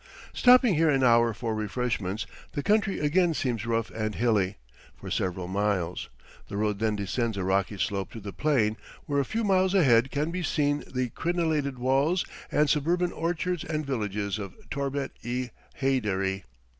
Stopping here an hour for refreshments, the country again becomes rough and hilly for several miles; the road then descends a rocky slope to the plain, where a few miles ahead can be seen the crenelated walls and suburban orchards and villages of Torbet i Haiderie.